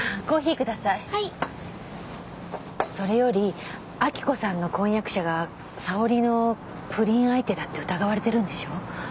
それより明子さんの婚約者が沙織の不倫相手だって疑われてるんでしょ？